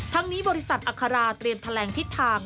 ทั้งนี้บริษัทอัคราเตรียมแถลงทิศทาง